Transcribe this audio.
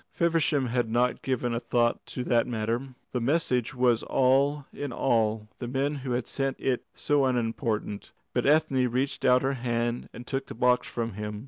Feversham had not given a thought to that matter. The message was all in all, the men who had sent it so unimportant. But Ethne reached out her hand and took the box from him.